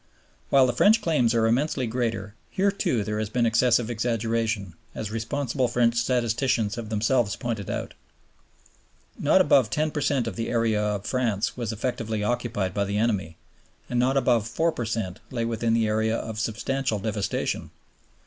While the French claims are immensely greater, here too there has been excessive exaggeration, as responsible French statisticians have themselves pointed out. Not above 10 per cent of the area of France was effectively occupied by the enemy, and not above 4 per cent lay within the area of substantial devastation.